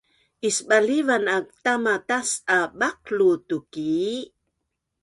Isbalivan aak tama tas’a baqlu tukii